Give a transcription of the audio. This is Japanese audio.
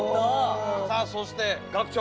さあそして学長。